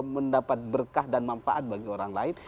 mendapat berkah dan manfaat bagi orang lain